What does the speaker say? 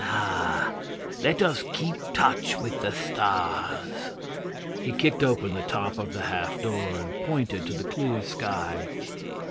Ah! Let us keep touch with the stars!' He kicked open the top of the half door, and pointed to the clear sky.